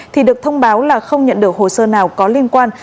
thì được thông báo là không nhận được hồ sơ nào có liên quan